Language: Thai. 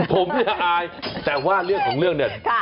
ผมก็อายแต่ว่าเรื่องของเรื่องนี้